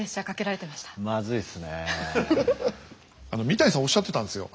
三谷さんおっしゃってたんですよ。